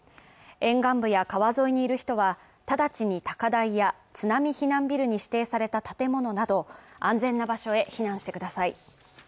沿岸部や川沿いにいる人は直ちに高台や津波避難ビルに指定された建物など安全な場所へ避難してください。